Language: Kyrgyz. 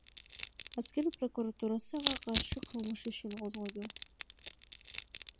Аскер прокуратурасы ага каршы кылмыш ишин козгоду.